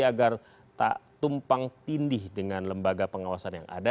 agar tak tumpang tindih dengan lembaga pengawasan yang ada